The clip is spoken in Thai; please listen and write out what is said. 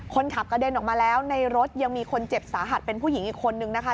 คนขับกระเด็นออกมาแล้วในรถยังมีคนเจ็บสาหัสเป็นผู้หญิงอีกคนนึงนะคะ